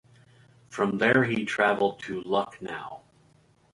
From there he travelled to Lucknow.